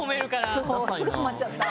そうすぐハマっちゃった。